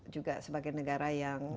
juga sebagai negara yang